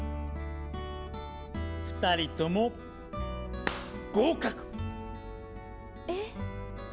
２人とも合格！え。